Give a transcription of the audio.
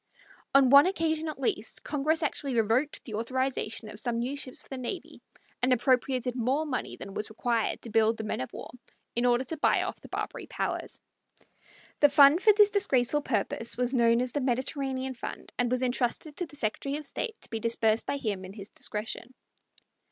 On one occasion, at least, Congress actually revoked the authorization of some new ships for the navy, and appropriated more money than was required to build the men of war in order to buy off the Barbary powers. The fund for this disgraceful purpose was known as the "Mediterranean fund," and was intrusted to the Secretary of State to be disbursed by him in his discretion.